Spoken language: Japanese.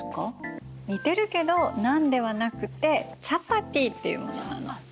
似てるけどナンではなくてチャパティっていうものなの。